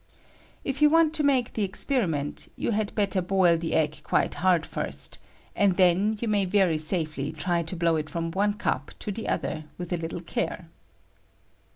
If you want to make the experiment, you had better boil the egg quite hard first, and then you may very safely try to blow it from one cup to the other with a little care.